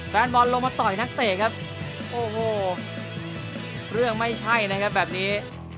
แฟนบอลลงมาต่อยนักเตะครับโอ้โหเรื่องไม่ใช่นะครับแบบนี้